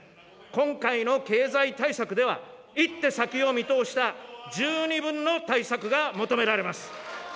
今回の経済対策では、一手先を見通した十二分の対策が求められます。